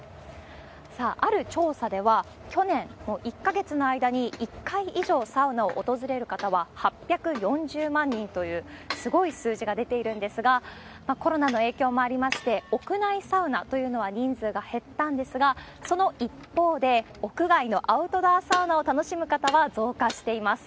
さあ、ある調査では、去年１か月の間に１回以上サウナを訪れる方は８４０万人という、すごい数字が出ているんですが、コロナの影響もありまして、屋内サウナというのは人数が減ったんですが、その一方で、屋外のアウトドアサウナを楽しむ方は増加しています。